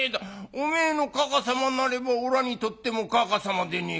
おめえのかかさまなればおらにとってもかかさまでねえか。